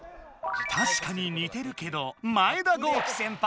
たしかににてるけど前田公輝先輩です！